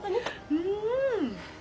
うん！